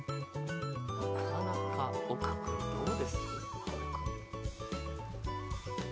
なかなか奥君どうです？